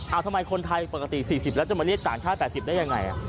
เอาทำไมคนไทยปกติ๔๐แล้วจะมาเรียกต่างชาติ๘๐ได้ยังไง